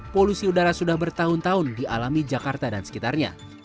polusi udara sudah bertahun tahun dialami jakarta dan sekitarnya